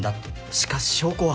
しかし証拠は。